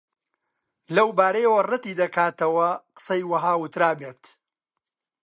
لەو بارەیەوە ڕەتی دەکاتەوە قسەی وەها وترابێت